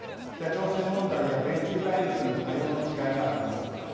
北朝鮮問題や米中対立への対応の違いがあります。